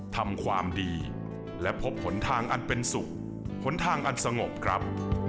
ทำความดีและพบผลทางอันเป็นสุขหนทางอันสงบครับ